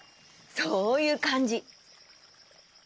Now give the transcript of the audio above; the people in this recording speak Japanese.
そういうかんじ。